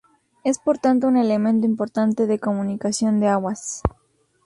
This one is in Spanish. Es por tanto un elemento importante de comunicación de aguas.